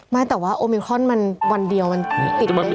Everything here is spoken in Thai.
ไม่แต่ว่าโอมิครอนมันวันเดียวมันติดไม่ได้